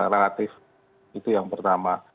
relatif itu yang pertama